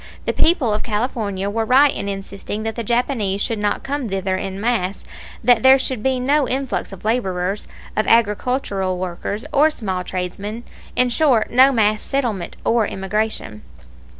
The people of California were right in insisting that the Japanese should not come thither in mass, that there should be no influx of laborers, of agricultural workers, or small tradesmen in short, no mass settlement or immigration.